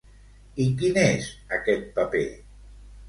I quin és aquest paper?